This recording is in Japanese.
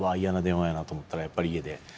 嫌な電話やなと思ったらやっぱり家で。